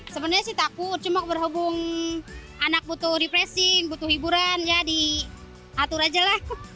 sebenarnya sih takut cuma berhubung anak butuh repressing butuh hiburan ya diatur aja lah